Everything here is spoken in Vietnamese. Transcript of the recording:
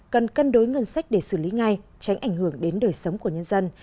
cần cân đối ngân sách để xử lý ngay tránh ảnh hưởng đến đời sống của nhân dân